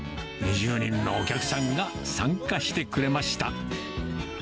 ２０人のお客さんが参加してくれました。